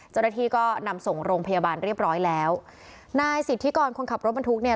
เจ้าหน้าที่ก็นำส่งโรงพยาบาลเรียบร้อยแล้วนายสิทธิกรคนขับรถบรรทุกเนี่ย